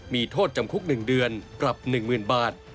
มีโทษจำคุก๑เดือนปรับ๑๐๐๐บาท